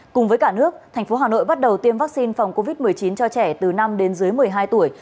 cùng với cả nước thành phố hà nội bắt đầu tiêm vaccine phòng covid một mươi chín cho trẻ từ năm đến dưới một mươi hai tuổi